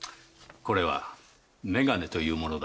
これは眼鏡というものだ。